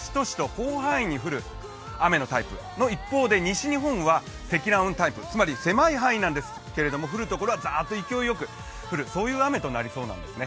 広範囲に降る雨のタイプで西日本は積乱雲タイプ、つまり狭い範囲なんですけれども、降るときは勢いよく降る、そういう雨となりそうなんですね。